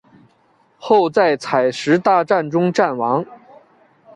后在采石大战中战亡。